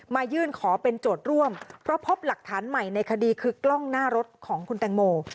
ยื่นขอเป็นโจทย์ร่วมเพราะพบหลักฐานใหม่ในคดีคือกล้องหน้ารถของคุณแตงโม